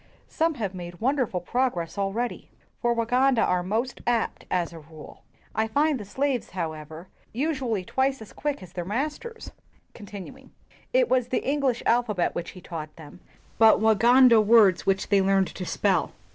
Some have made wonderful progress al ready, for Waganda are most apt, as a rule. I find the slaves, however, usually twice as quick as their masters." It was the English alphabet which he taught them, but Luganda words which they learned to spell.